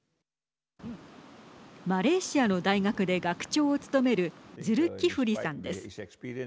マレーシアの大学で学長を務めるズルキフリさんです。